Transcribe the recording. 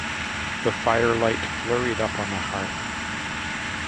The firelight flurried up on the hearth.